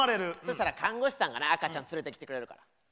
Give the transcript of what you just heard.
そしたら看護士さんが赤ちゃん連れてきてくれる。